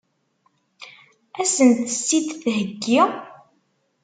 Ad sent-tt-id-theggi?